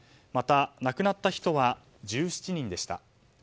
また亡くなった人は１７人でした。